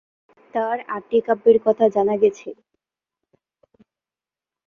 তার আটটি কাব্যের কথা জানা গেছে।